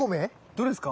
どれっすか？